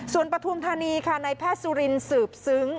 ส่วนปฐุมธานีค่ะในแพทย์สุรินสืบซึ้ง